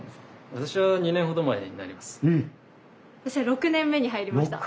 私は６年目に入りました。